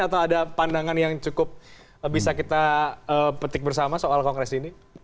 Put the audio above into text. atau ada pandangan yang cukup bisa kita petik bersama soal kongres ini